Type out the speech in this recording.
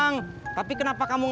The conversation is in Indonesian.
oh gak ada uang